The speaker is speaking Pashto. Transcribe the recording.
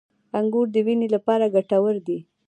• انګور د وینې لپاره ګټور دي.